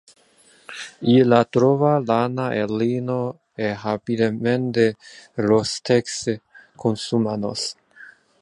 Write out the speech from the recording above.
Illa trova lana e lino e habilemente los texe con su manos.